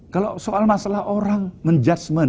kalau soal masalah orang menjudgement